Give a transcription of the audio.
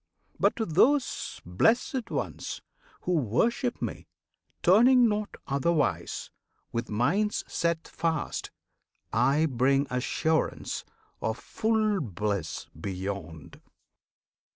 But to those blessed ones who worship Me, Turning not otherwhere, with minds set fast, I bring assurance of full bliss beyond.